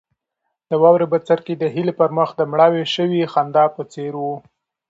د واورې بڅرکي د هیلې پر مخ د مړاوې شوې خندا په څېر وو.